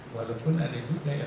walaupun ada yang ditelan